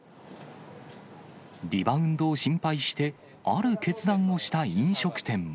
リバウンドを心配して、ある決断をした飲食店も。